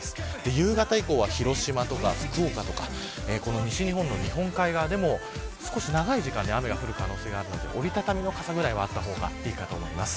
夕方以降は広島とか福岡とか西日本の日本海側でも少し長い時間雨が降る可能性がありますので折り畳み傘はあった方がいいと思います。